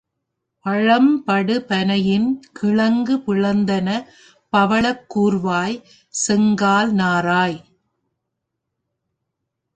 பழம்படு பனையின் கிழங்கு பிளந்தன்ன பவளக் கூர்வாய் செங்கால் நாராய்!